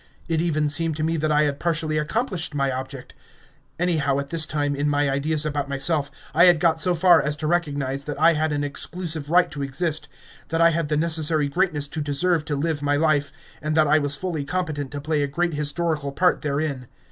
It even seemed to me that I had partially accomplished my object; anyhow, at this time, in my ideas about myself, I had got so far as to recognise that I had an exclusive right to exist, that I had the necessary greatness to deserve to live my life, and that I was fully competent to play a great historical part therein.